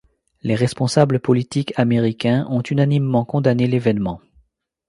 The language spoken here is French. Les responsables politiques américains ont unanimement condamné l'événement.